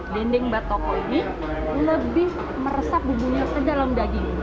dinding batoko ini lebih meresap bumbunya ke dalam daging